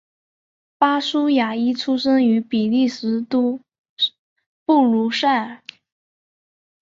巴舒亚伊出生于比利时首都布鲁塞尔。